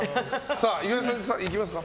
岩井さん、いきますか？